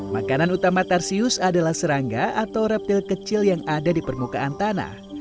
makanan utama tarsius adalah serangga atau reptil kecil yang ada di permukaan tanah